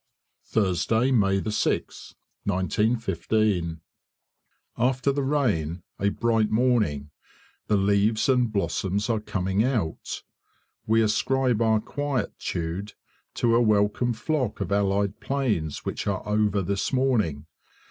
Thursday, May 6th, 1915. After the rain a bright morning; the leaves and blossoms are coming out. We ascribe our quietude to a welcome flock of allied planes which are over this morning.